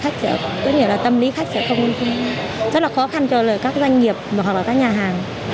có nghĩa là tâm lý khách sẽ không rất là khó khăn cho các doanh nghiệp hoặc là các nhà hàng